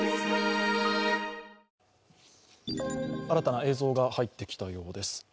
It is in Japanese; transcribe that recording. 新たな映像が入ってきたようです。